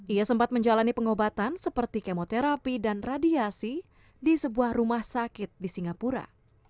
ia sempat menjalani pengobatan seperti kemoterapi dan radiasi di sebuah rumah sakit di singapura